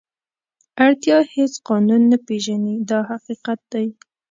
اړتیا هېڅ قانون نه پېژني دا حقیقت دی.